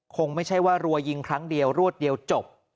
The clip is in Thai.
คงไม่ใช่ว่ารัวยิงครั้งเดียวรวดเดียวจบ